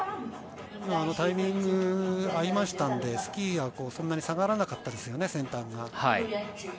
今のタイミング合いましたので、スキーがそんなに下がらなかったですよね、先端が。